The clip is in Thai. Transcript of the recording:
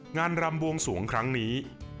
รำบวงสวงครั้งนี้